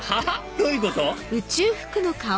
どういうこと？